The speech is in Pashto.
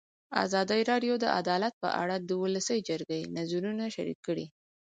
ازادي راډیو د عدالت په اړه د ولسي جرګې نظرونه شریک کړي.